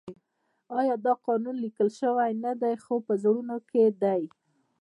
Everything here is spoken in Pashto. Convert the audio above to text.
آیا دا قانون لیکل شوی نه دی خو په زړونو کې دی؟